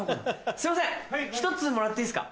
すいません１つもらっていいっすか？